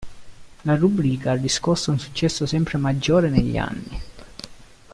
La rubrica ha riscosso un successo sempre maggiore negli anni.